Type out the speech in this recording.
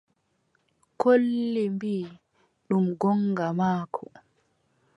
Colli mbii: ɗum goonga maako.